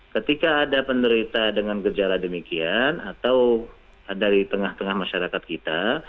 ketika ada penderita dengan gejala demikian atau dari tengah tengah masyarakat kita